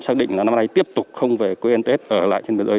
xác định là năm nay tiếp tục không về quê ăn tết ở lại trên biên giới